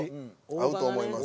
合うと思います。